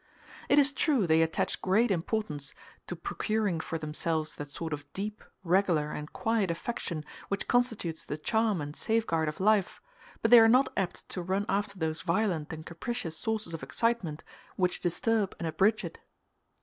It is true they attach great importance to procuring for themselves that sort of deep, regular, and quiet affection which constitutes the charm and safeguard of life, but they are not apt to run after those violent and capricious sources of excitement which disturb and abridge it.